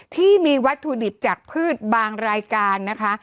ที่มีวัตถุดิบจากพืชบางรายการนะคะ